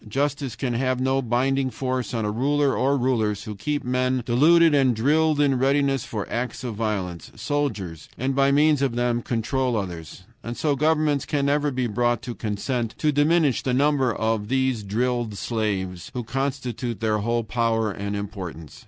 Justice can have no binding force on a ruler or rulers who keep men, deluded and drilled in readiness for acts of violence soldiers, and by means of them control others. And so governments can never be brought to consent to diminish the number of these drilled slaves, who constitute their whole power and importance.